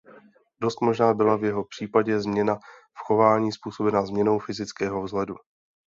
Dost možná byla v jeho případě změna v chování způsobena změnou fyzického vzhledu.